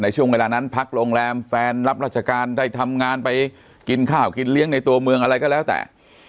ช่วงเวลานั้นพักโรงแรมแฟนรับราชการได้ทำงานไปกินข้าวกินเลี้ยงในตัวเมืองอะไรก็แล้วแต่